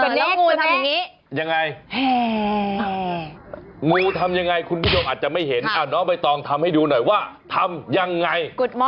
แล้วงูทำอย่างนี้ยังไงงูทำยังไงคุณผู้ชมอาจจะไม่เห็นน้องใบตองทำให้ดูหน่อยว่าทำยังไง